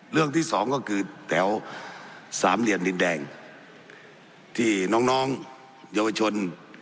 เรื่องที่สองก็คือแถวสามเหลี่ยมดินแดงที่น้องน้องเยาวชน